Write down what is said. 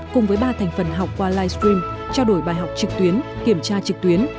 cùng với ba thành phần học qua live stream trao đổi bài học trực tuyến kiểm tra trực tuyến